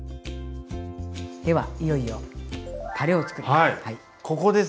ではいよいよたれをつくります。